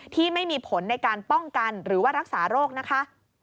ที่ไม่มีผลในการป้องกันหรือว่ารักษาโรคนะคะ